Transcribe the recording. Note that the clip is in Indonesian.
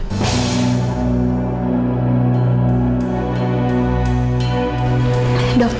aku mau berhenti